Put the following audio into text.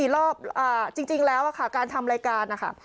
รอบจริงแล้วค่ะการทำรายการนะคะ